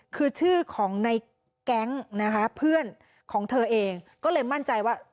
คือชื่อของในแก๊งนะคะเพื่อนของเธอเองก็เลยมั่นใจว่า